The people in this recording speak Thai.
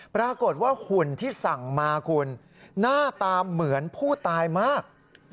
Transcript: ปรากฏว่าหุ่นที่สั่งมาคุณหน้าตาเหมือนผู้ตายมาก